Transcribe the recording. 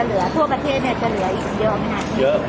แล้วก็จะกรรมรอดทั้งหมดแล้วก็จะกรรมรอดทั้งหมด